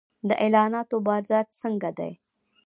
د اعلاناتو بازار څنګه دی؟